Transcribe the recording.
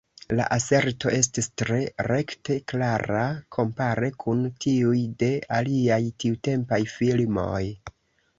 La aserto estis tre rekte klara kompare kun tiuj de aliaj tiutempaj filmoj.